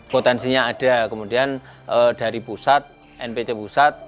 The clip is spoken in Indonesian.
potensinya ada kemudian dari pusat npc pusat